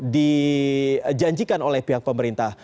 dijanjikan oleh pihak pemerintah